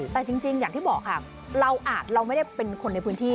แต่จริงอย่างที่บอกค่ะเราอาจเราไม่ได้เป็นคนในพื้นที่